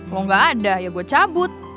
lo gak ada ya gue cabut